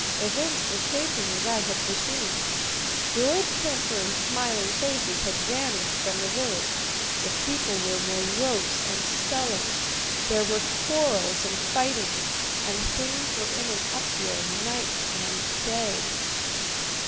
Events were shaping as I had foreseen. Good temper and smiling faces had vanished from the village. The people were morose and sullen. There were quarrels and fighting, and things were in an uproar night and day.